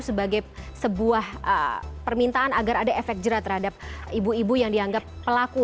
sebagai sebuah permintaan agar ada efek jerah terhadap ibu ibu yang dianggap pelaku